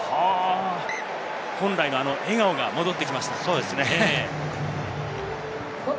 本来の笑顔が戻ってきました。